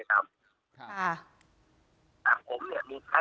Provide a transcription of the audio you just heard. มีแท็กที่เขาโทรมาเรียงเงินผม๑๐ล้าน